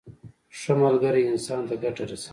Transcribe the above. ښه ملګری انسان ته ګټه رسوي.